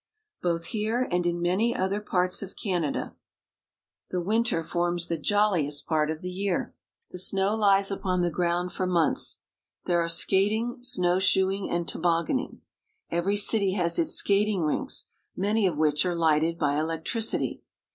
Both here and in many other parts of Canada the win 324 BRITISH AMERICA. ter forms the jolliest part of the year. The snow lies upon the ground for months. There are skating, snow shoeing, and tobogganing. Every city has its skating rinks, many of which are Hghted by electricity.